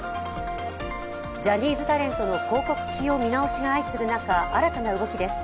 ジャニーズタレントの広告起用見直しが相次ぐ中、新たな動きです。